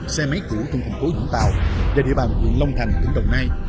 xe máy cũ từng thành phố vũng tàu và địa bàn vườn long thành tỉnh đồng nai